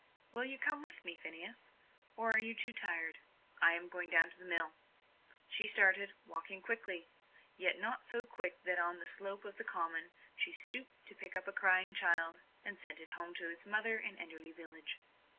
"Will you come with me, Phineas? Or are you too tired? I am going down to the mill." She started, walking quickly yet not so quick but that on the slope of the common she stooped to pick up a crying child, and send it home to its mother in Enderley village.